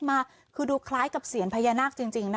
ปลูกมะพร้าน้ำหอมไว้๑๐ต้น